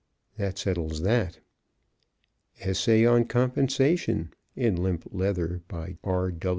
That settles that. "Essay on Compensation" in limp leather, by R.